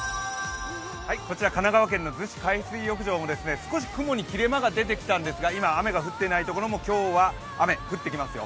こちら神奈川県の逗子海水浴場も少し雲に切れ間が出てきたんですが今、雨が降ってないところも今日は雨降ってきますよ。